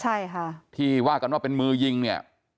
ใช่ค่ะที่ว่ากันว่าเป็นมือยิงเนี่ย